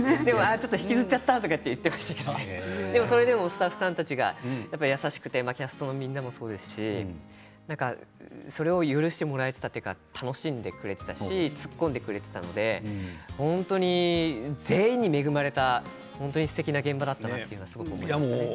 ちょっと引きずっちゃったって言ってましたけどでもスタッフさんたちもキャストの皆さんも優しくてそれを許してもらえていたというか、楽しんでくれていたし突っ込んでくれていたので本当に全員に恵まれたすてきな現場だと思います。